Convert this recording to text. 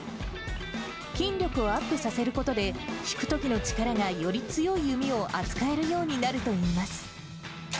筋力をアップさせることで、引くときの力がより強い弓を扱えるようになるといいます。